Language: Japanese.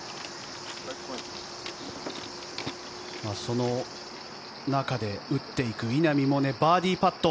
その中で打っていく稲見もバーディーパット。